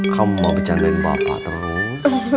kamu mau becandain bapak terus